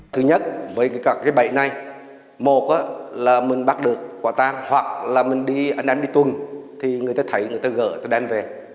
thứ nhất với các cái bẫy này một là mình bắt được quả tan hoặc là mình đi anh đi tuần thì người ta thấy người ta gỡ người ta đem về